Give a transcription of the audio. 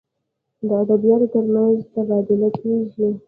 د ادبیاتو تر منځ تبادله کیږي.